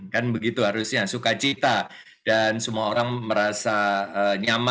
kan begitu harusnya sukacita dan semua orang merasa nyaman